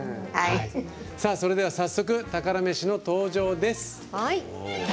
それでは早速、宝メシの登場です。